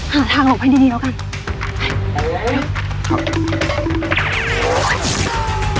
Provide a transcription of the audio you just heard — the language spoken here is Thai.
หาทางหลบให้ดีดีแล้วกัน